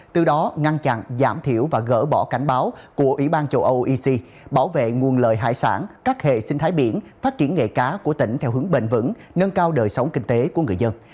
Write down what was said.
từ đó ngăn chặn giảm thiểu và gỡ bỏ cảnh báo của ủy ban châu âu ec bảo vệ nguồn lợi hải sản các hệ sinh thái biển phát triển nghề cá của tỉnh theo hướng bền vững nâng cao đời sống kinh tế của người dân